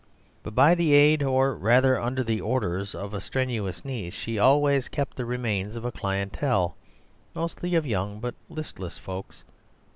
But by the aid (or rather under the orders) of a strenuous niece she always kept the remains of a clientele, mostly of young but listless folks.